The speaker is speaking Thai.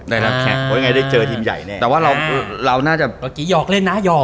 เพราะยังไงได้เจอทีมใหญ่แน่